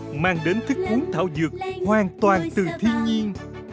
nó mang đến thức uống thảo dược hoàn toàn từ thiên nhiên